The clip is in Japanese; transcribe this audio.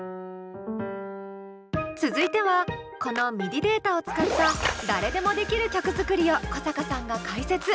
続いてはこのＭＩＤＩデータを使った誰でもできる曲作りを古坂さんが解説！